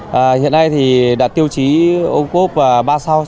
trong dịp này chúng tôi đã chuẩn bị sán số lượng hàng hóa đảm bảo đầu ra trong mùa tết